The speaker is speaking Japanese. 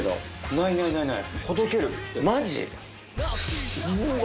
ないないないない！